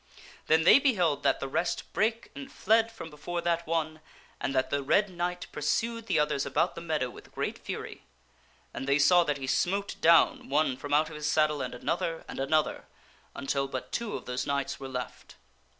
Then they beheld that the rest brake and fled from before that one, and that the Red Knight pur sued the others about the meadow with great fury. And they saw that he smote down one from out his saddle and another and another until but two of those knights were left.